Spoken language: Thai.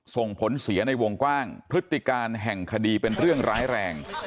ส่งผลเสียในวงกว้างพฤติการแห่งคดีเป็นเรื่องร้ายแรง